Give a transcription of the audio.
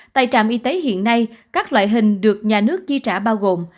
tại trạm y tế hiện nay các loại hình được nhà nước chi trả bao gồm